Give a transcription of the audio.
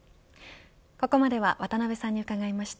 ここまでは渡辺さんに伺いました。